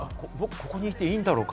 ここにいていいんだろうか？